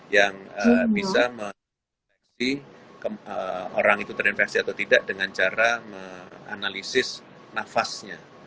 yang bisa orang itu terinfeksi atau tidak dengan cara menganalisis nafasnya